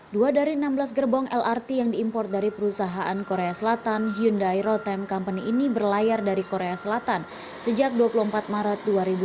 dua dari enam belas gerbong lrt yang diimport dari perusahaan korea selatan hyundai road time company ini berlayar dari korea selatan sejak dua puluh empat maret dua ribu dua puluh